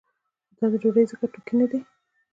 خو دا ډوډۍ ځکه توکی نه دی.